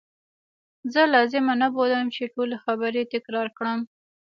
زه لازمه نه بولم چې ټولي خبرې تکرار کړم.